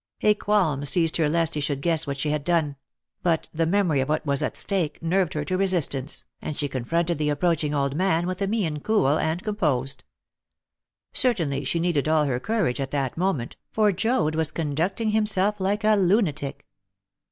A qualm seized her lest he should guess what she had done; but the memory of what was at stake nerved her to resistance, and she confronted the approaching old man with a mien cool and composed. Certainly she needed all her courage at that moment, for Joad was conducting himself like a lunatic.